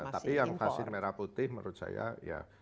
tapi yang khasin merah putih menurut saya ya